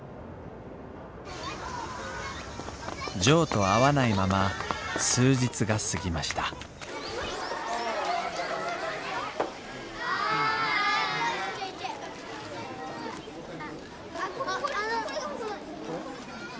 ジョーと会わないまま数日が過ぎましたあ！